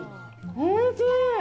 おいしい！